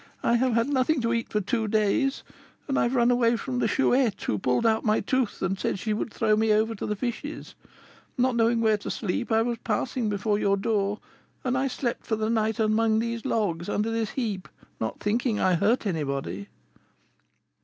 I have had nothing to eat for two days, and I've run away from the Chouette, who pulled out my tooth, and said she would throw me over to the fishes. Not knowing where to sleep, I was passing before your door, and I slept for the night amongst these logs, under this heap, not thinking I hurt anybody.'